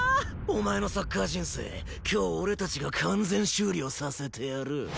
お前のサッカー人生今日俺たちが完全終了させてやる。